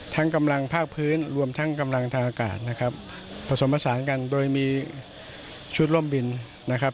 กำลังภาคพื้นรวมทั้งกำลังทางอากาศนะครับผสมผสานกันโดยมีชุดร่มบินนะครับ